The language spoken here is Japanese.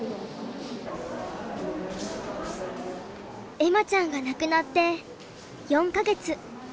恵麻ちゃんが亡くなって４か月。